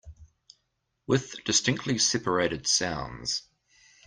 With distinctly separated sounds.